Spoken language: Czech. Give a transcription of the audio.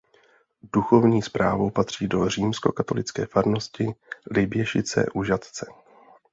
Duchovní správou patří do Římskokatolické farnosti Liběšice u Žatce.